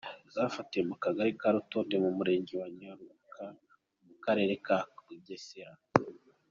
Zafatiwe mu kagari ka Rutonde, umurenge wa Ngeruka, mu karere ka Bugesera.